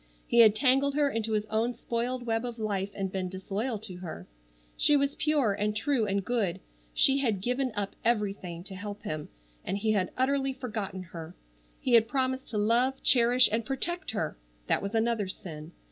He had tangled her into his own spoiled web of life, and been disloyal to her. She was pure and true and good. She had given up every thing to help him and he had utterly forgotten her. He had promised to love, cherish, and protect her! That was another sin.